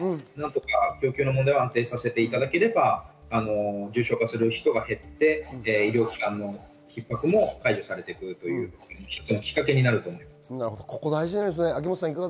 供給を安定させていただければ重症化する人が減って医療機関の逼迫も解除されていくきっかけになると思います。